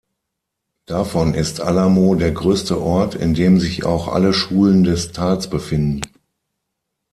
Davon ist Alamo der größte Ort, indem sich auch alle Schulen des Tals befinden.